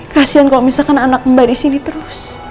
kasian kalau misalkan anak mbak disini terus